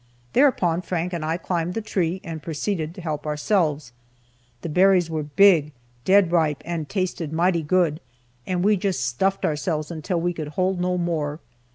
Thereupon Frank and I climbed the tree, and proceeded to help ourselves. The berries were big, dead ripe, and tasted mighty good, and we just stuffed ourselves until we could hold no more.